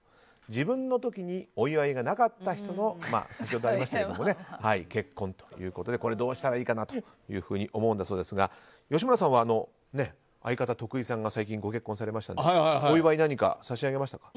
自分の時にお祝いがなかった人の結婚ということでこれ、どうしたらいいかなと思うんだそうですが吉村さんは相方、徳井さんが最近ご結婚されましたがお祝い何か差し上げましたか？